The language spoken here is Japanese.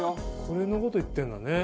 これの事言ってんだね。